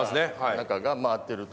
中が回ってると。